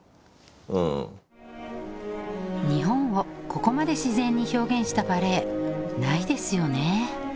うん日本をここまで自然に表現したバレエないですよね